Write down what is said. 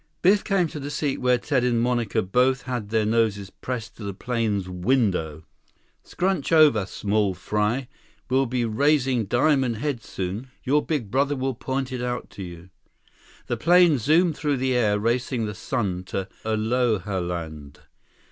Biff came to the seat where Ted and Monica both had their noses pressed to the plane's window. "Scrunch over, small fry. We'll be raising Diamond Head soon. Your big brother will point it out to you." The plane zoomed through the air, racing the sun to Alohaland.